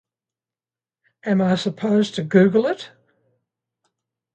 Am I supposed to Google it?